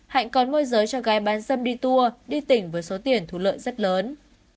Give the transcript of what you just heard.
hạnh còn môi giới cho gái bán dâm đi tour đi tỉnh với số tiền thu lợi rất lớn